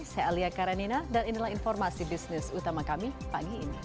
saya alia karanina dan inilah informasi bisnis utama kami pagi ini